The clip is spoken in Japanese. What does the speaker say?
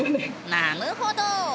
なぬほど。